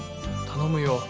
頼むよ。